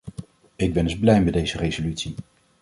Ik ben dus blij met deze resolutie.